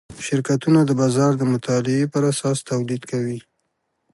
شرکتونه د بازار د مطالعې پراساس تولید کوي.